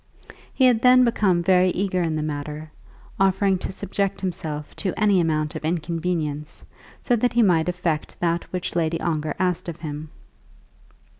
He had then become very eager in the matter, offering to subject himself to any amount of inconvenience so that he might effect that which Lady Ongar asked of him.